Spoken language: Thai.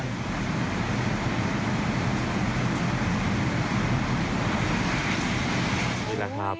นี่แหละครับ